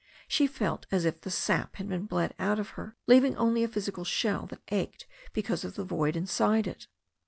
She felt as if the sap had been bled out of her, leaving only a phys ical shell that ached because of the void inside it.